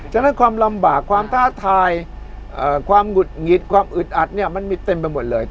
ฉะนั้นความลำบากความท้าทายความหงุดหงิดความอึดอัดเนี่ยมันมีเต็มไปหมดเลย